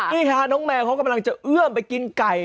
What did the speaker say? นี่ค่ะน้องแมวเขากำลังจะเอื้อมไปกินไก่